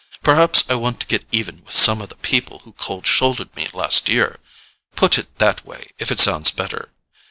Perhaps I want to get even with some of the people who cold shouldered me last year—put it that way if it sounds better.